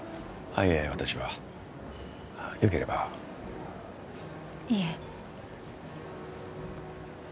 いえ私はよければいえ